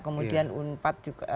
kemudian unpad juga